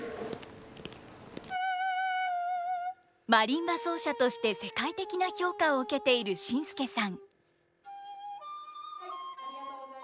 マリンバ奏者として世界的な評価を受けているＳＩＮＳＫＥさん。